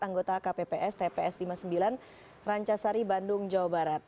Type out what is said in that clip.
anggota kpps tps lima puluh sembilan rancasari bandung jawa barat